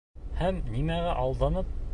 Һәм нимәгә алданып...